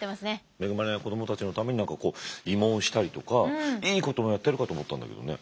恵まれない子どもたちのために慰問したりとかいいこともやってるかと思ったんだけどね。